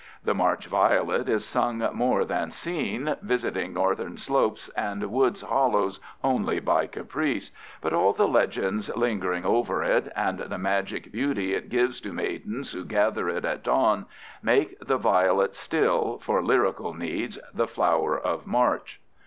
The March violet is sung more than seen, visiting Northern slopes and woods hollows only by caprice, but all the legends lingering over it, and the magic beauty it gives to maidens who gather it at dawn, make the violet still, for lyrical needs, the flower of March.